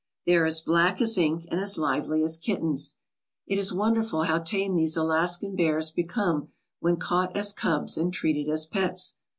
They are as black as ink and as lively as kittens. It is wonderful how tame these Alaskan bears become when caught as cubs and treated as pets.